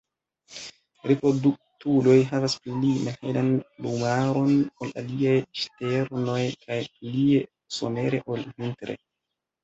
Reproduktuloj havas pli malhelan plumaron ol aliaj ŝternoj kaj plie somere ol vintre.